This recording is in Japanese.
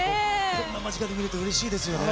こんな間近で見ると、うれしいですよね。